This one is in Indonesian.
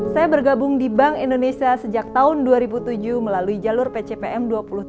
saya bergabung di bank indonesia sejak tahun dua ribu tujuh melalui jalur pcpm dua puluh tujuh